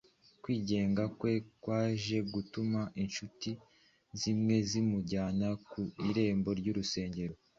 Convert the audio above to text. Kwinginga kwe kwaje gutuma incuti zimwe zimujyana ku irembo ry’urusengero